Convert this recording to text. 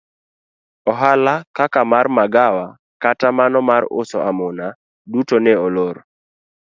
Ohala kaka mar magawa kata mano mar uso amuna duto ne olor.